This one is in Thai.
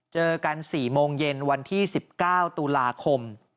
เจอกัน๔โมงเย็นวันที่๑๙ตุลาคม